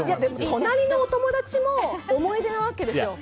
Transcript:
隣のお友達も思い出なわけですよ。